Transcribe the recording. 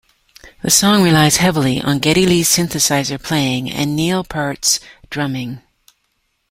The song relies heavily on Geddy Lee's synthesizer playing and Neil Peart's drumming.